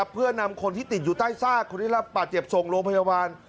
เพื่อนำคนที่ติดอยู่ใต้ซากคนที่รับบาดเจ็บส่งโรงพยาบาล